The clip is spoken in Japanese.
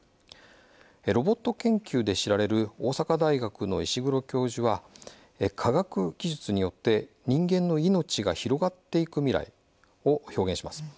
ロボット研究で知られる大阪大学の石黒教授は科学技術によって人間の命が広がっていく未来を表現します。